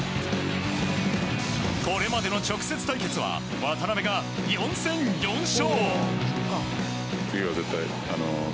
これまでの直接対決は渡邊が４戦４勝。